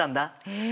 へえ！